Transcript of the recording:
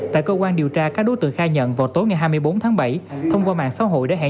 tại cơ quan điều tra các đối tượng khai nhận vào tối ngày hai mươi bốn tháng bảy thông qua mạng xã hội đã hẹn